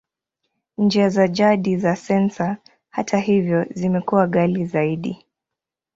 Njia za jadi za sensa, hata hivyo, zimekuwa ghali zaidi.